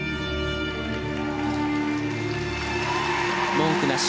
文句なし。